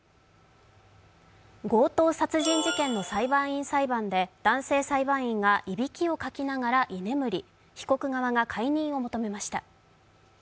強盗殺人事件の裁判員裁判で男性裁判員がいびきをかきながら居眠り、被告側が解任を求めました。